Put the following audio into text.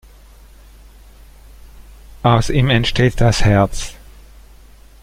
Aus ihm entsteht das Herz.